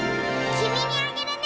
「きみにあげるね」！